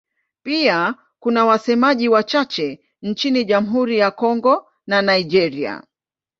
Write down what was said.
Pia kuna wasemaji wachache nchini Jamhuri ya Kongo na Nigeria.